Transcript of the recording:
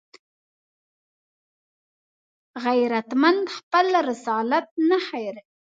غیرتمند خپل رسالت نه هېروي